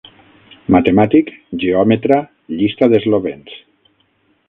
Matemàtic, Geòmetra, Llista d'eslovens.